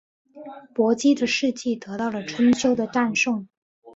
伯姬的事迹得到了春秋的赞颂。